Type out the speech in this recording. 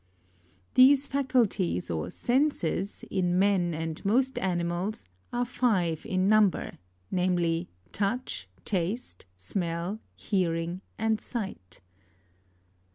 These faculties or senses, in man mil most animal* are rive in number; namely : touch, t<ist,>, smelt, Intuitu/, and sight.